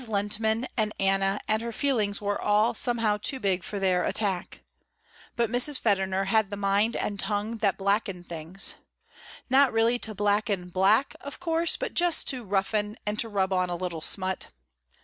Lehntman and Anna and her feelings were all somehow too big for their attack. But Mrs. Federner had the mind and tongue that blacken things. Not really to blacken black, of course, but just to roughen and to rub on a little smut.